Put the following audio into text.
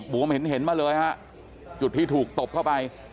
วมเห็นมาเลยฮะจุดที่ถูกตบเข้าไป